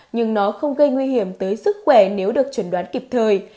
nhưng nó không gây nguy hiểm tới sức khỏe nếu được chuẩn đoán kịp thời